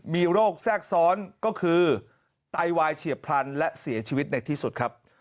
มีโรคแทรกซ้อนก็คือไตวายเฉียบพลันและเสียชีวิตในที่สุดครับ